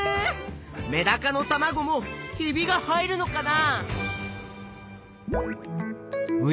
メダカのたまごもひびが入るのかな？